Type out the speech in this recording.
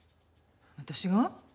私が？